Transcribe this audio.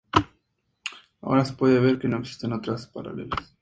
Ahora se puede ver que no existen otras paralelas.